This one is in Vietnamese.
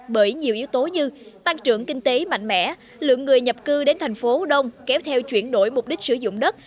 bởi nhiều yếu tố như tăng trưởng kinh tế mạnh mẽ lượng người nhập cư đến thành phố đông kéo theo chuyển đổi mục đích sử dụng đất